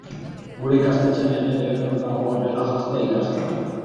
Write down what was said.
Gure ikastetxean ere debekatuta dago horrela janztea ikasgelan.